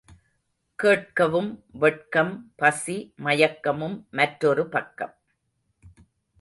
கேட்கவும் வெட்கம் பசி மயக்கமும் மற்றொரு பக்கம்.